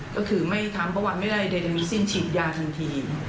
ก็คือไม่ทำประวัติไม่ได้ใดมีสิ้นฉีดยาทันที